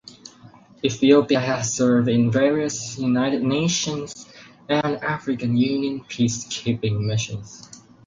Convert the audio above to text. Ethiopia has served in various United Nations and African Union peacekeeping missions.